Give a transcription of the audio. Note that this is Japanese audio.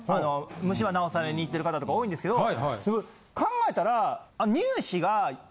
虫歯治されに行ってる方とか多いんですけど考えたら。